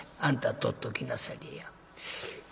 あんた取っときなされや」。